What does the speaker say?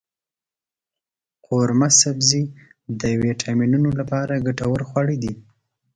قورمه سبزي د ویټامینونو لپاره ګټور خواړه دی.